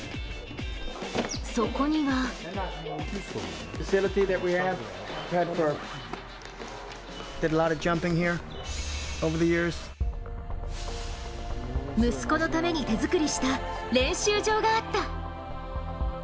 そこには息子のために手作りした練習場があった。